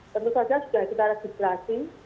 tentu saja sudah kita registrasi